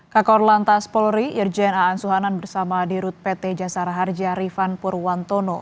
kak orlantas polri irjen a ansuhanan bersama dirut pt jasa araharja rifan purwantono